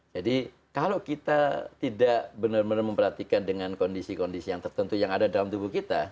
jadi kalau kita tidak benar benar memperhatikan dengan kondisi kondisi yang tertentu yang ada dalam tubuh kita